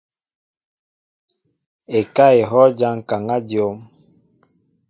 Ekáá ehɔʼ ja ŋkaŋa dyom.